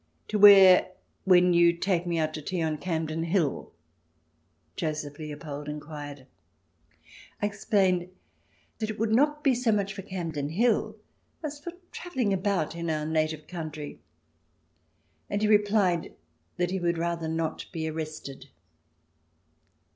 " To wear when you take me out to tea on Campden Hill ?" Joseph Leopold inquired. I explained that it would not be so much for Campden Hill as for travelling about in our native country, and he replied that he would rather not be arrested.